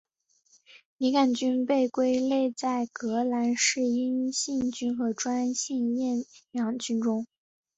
拟杆菌属被归类在革兰氏阴性菌和专性厌氧菌中。